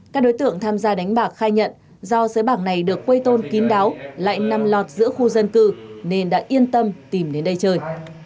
các đối tượng tham gia đánh bạc khai nhận do sới bạc này được quây tôn kín đáo lại nằm lọt giữa khu dân cư nên đã yên tâm tìm đến đây chơi